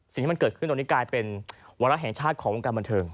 สิ่งที่มันเกิดขึ้นตอนนี้กลายเป็นวาระแห่งชาติของวงการบันเทิง